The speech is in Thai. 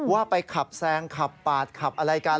ว่าไปขับแซงขับปาดขับอะไรกัน